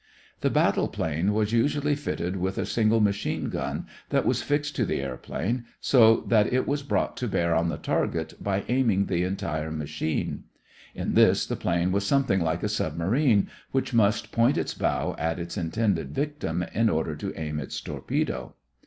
The battle plane was usually fitted with a single machine gun that was fixed to the airplane, so that it was brought to bear on the target by aiming the entire machine. In this the plane was something like a submarine, which must point its bow at its intended victim in order to aim its torpedo.